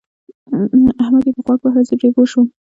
احمد يې په غوږ وواهه زه پرې پوه شوم.